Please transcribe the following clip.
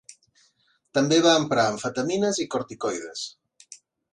També va emprar amfetamines i corticoides.